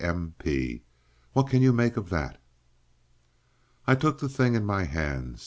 M.P. What can you make of that?" I took the thing in my hands.